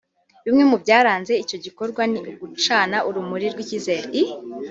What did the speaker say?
Bimwe mu byaranze icyo gikorwa ni ugucana urumuri rw’icyizere